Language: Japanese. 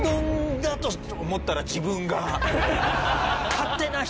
勝手な人！